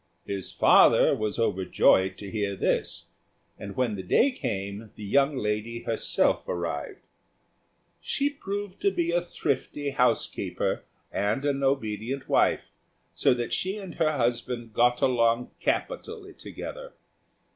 His father was overjoyed to hear this; and when the day came, the young lady herself arrived. She proved to be a thrifty housekeeper and an obedient wife, so that she and her husband got along capitally together.